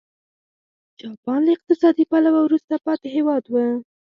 جاپان له اقتصادي پلوه وروسته پاتې هېواد و.